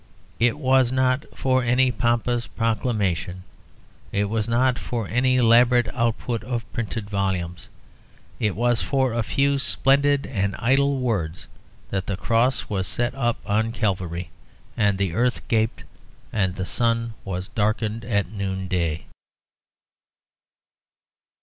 It was not for any pompous proclamation, it was not for any elaborate output of printed volumes; it was for a few splendid and idle words that the cross was set up on Calvary, and the earth gaped, and the sun was darkened at noonday.